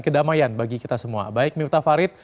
kedamaian bagi kita semua baik miftah farid